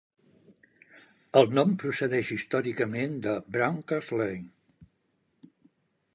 El nom procedeix històricament de Branca's Leigh.